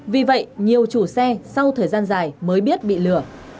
vì vậy nhiều chủ xe sau thời gian dài mới biết bị lửa